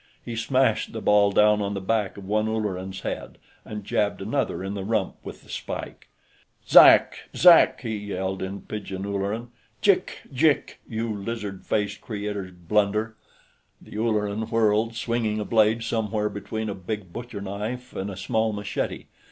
He smashed the ball down on the back of one Ulleran's head, and jabbed another in the rump with the spike. "Zak! Zak!" he yelled, in pidgin Ulleran. "Jik jik, you lizard faced Creator's blunder!" The Ulleran whirled, swinging a blade somewhere between a big butcherknife and a small machete.